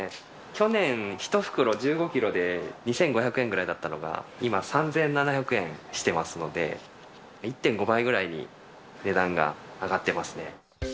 去年、１袋１５キロで２５００円ぐらいだったのが、今、３７００円してますので、１．５倍ぐらいに値段が上がってますね。